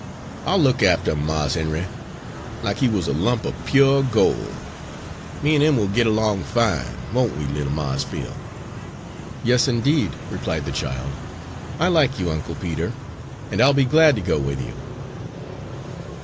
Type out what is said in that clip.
"I'll look aftuh 'im, Mars Henry, lak he wuz a lump er pyo' gol'. Me an' him will git along fine, won't we, little Mars Phil?" "Yes, indeed," replied the child. "I like you, Uncle Peter, and I'll be glad to go with you."